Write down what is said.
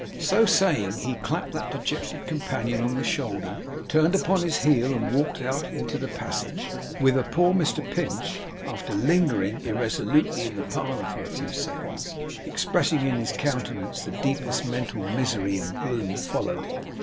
So saying, he clapped that dejected companion on the shoulder, turned upon his heel, and walked out into the passage, whither poor Mr Pinch, after lingering irresolutely in the parlour for a few seconds, expressing in his countenance the deepest mental misery and gloom followed him.